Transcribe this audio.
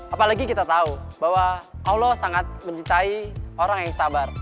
apalagi kita tahu bahwa allah sangat mencintai orang yang sabar